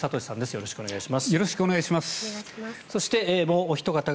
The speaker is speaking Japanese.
よろしくお願いします。